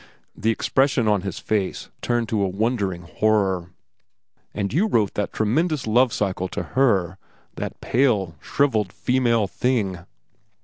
The expression on his face turned to wondering horror. "And you wrote that tremendous 'Love cycle' to her—that pale, shrivelled, female thing!"